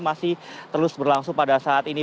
masih terus berlangsung pada saat ini